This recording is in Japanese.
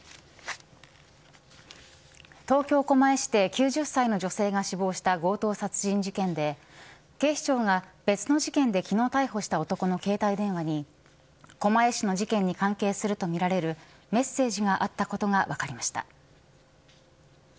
東京、狛江市で９０歳の女性が死亡した強盗殺人事件で警視庁が別の事件で昨日、逮捕した男の携帯電話に狛江市の事件に関係するとみられるメッセージがあったことが分かりました。